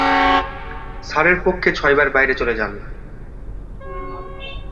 সারের পক্ষে ছয়বার বাইরে চলে যান।